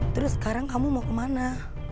terus sekarang kamu mau kemana